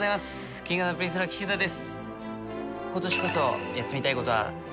Ｋｉｎｇ＆Ｐｒｉｎｃｅの岸優太です。